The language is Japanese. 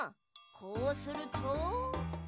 こうすると。